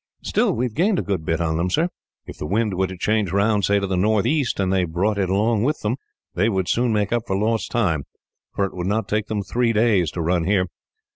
"Still, we have gained a good bit on them, sir." "If the wind were to change round, say to the northeast, and they brought it along with them, they would soon make up for lost time, for it would not take them three days to run here.